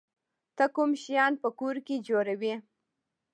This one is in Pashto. ته کوم شیان په کور کې جوړوی؟